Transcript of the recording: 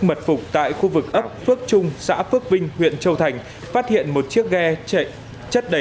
mật phục tại khu vực ấp phước trung xã phước vinh huyện châu thành phát hiện một chiếc ghe chạy chất đầy